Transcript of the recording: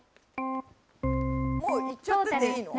もう行っちゃってていいの？